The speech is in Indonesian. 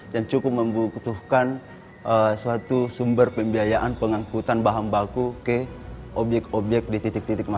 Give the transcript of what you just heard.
yang cukup membutuhkan suatu sumber pembiayaan pengangkutan bahan baku ke obyek obyek di titik titik mana